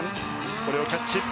これをキャッチ。